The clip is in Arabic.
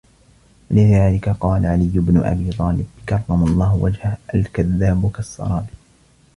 وَلِذَلِكَ قَالَ عَلِيُّ بْنُ أَبِي طَالِبٍ كَرَّمَ اللَّهُ وَجْهَهُ الْكَذَّابُ كَالسَّرَابِ